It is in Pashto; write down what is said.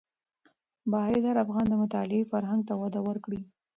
باید هر افغان د مطالعې فرهنګ ته وده ورکړي.